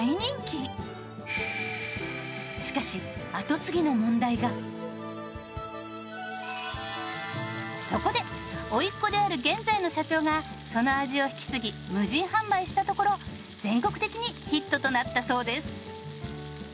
しかしそこで甥っ子である現在の社長がその味を引き継ぎ無人販売したところ全国的にヒットとなったそうです。